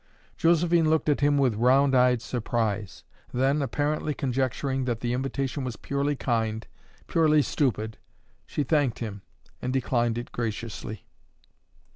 Josephine looked at him with round eyed surprise; then, apparently conjecturing that the invitation was purely kind, purely stupid, she thanked him, and declined it graciously.